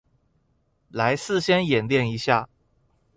來事先演練一下